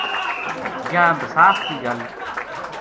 یاہ بَساکھ کی گل